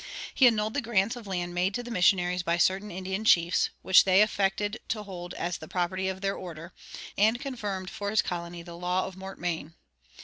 He annulled the grants of land made to the missionaries by certain Indian chiefs, which they affected to hold as the property of their order, and confirmed for his colony the law of mortmain.